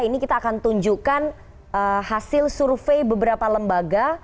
ini kita akan tunjukkan hasil survei beberapa lembaga